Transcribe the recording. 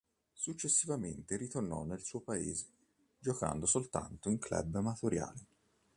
Successivamente ritornò nel suo Paese, giocando soltanto in club amatoriali.